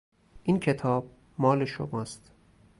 این کتاب مال شماست.